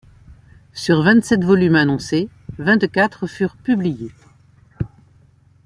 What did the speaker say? Sur vingt-sept volumes annoncés, vingt-quatre furent publiés.